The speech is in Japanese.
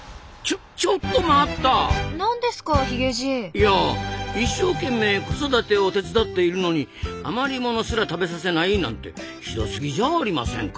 いや一生懸命子育てを手伝っているのに余り物すら食べさせないなんてひどすぎじゃありませんか？